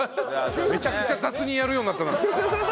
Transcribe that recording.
めちゃくちゃ雑にやるようになったな。